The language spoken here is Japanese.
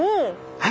はい。